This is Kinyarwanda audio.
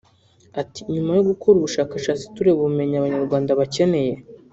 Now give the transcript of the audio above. Ati “Nyuma yo gukora ubushakashatsi tureba ubumenyi Abanyarwanda bakeneye